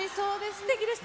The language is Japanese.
すてきでした。